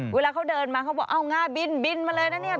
เวลาเขาเดินมาเขาบอกเอาง่าบินบินมาเลยนะเนี่ย